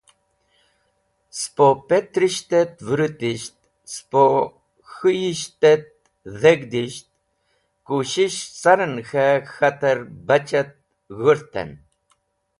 Po petrisht et vũrũtisht, spo k̃hũyisht et deg̃hdisht, kushish caren k̃he k̃hater bachat g̃hũrten.